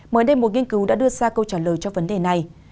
mới đây một nghiên cứu đã đưa ra câu trả lời cho vấn đề này